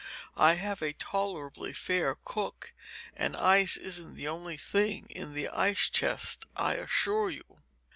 "I have a tolerably fair cook, and ice isn't the only thing in the ice chest, I assure you."